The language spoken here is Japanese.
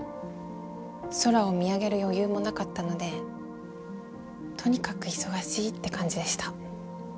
空を見上げる余裕もなかったのでとにかく忙しいって感じでした。